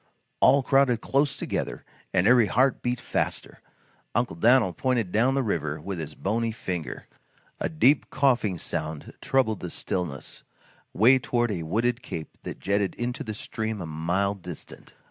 All crowded close together and every heart beat faster. Uncle Dan'l pointed down the river with his bony finger. A deep coughing sound troubled the stillness, way toward a wooded cape that jetted into the stream a mile distant.